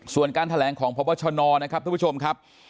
ส่วนการแถลงของพบชนนะครับท่านผู้ชมครับ